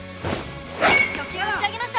初球を打ち上げました